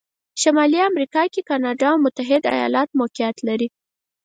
شمالي امریکا کې کانادا او متحتد ایالتونه موقعیت لري.